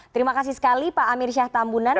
terima kasih sekali pak amir syah tambunan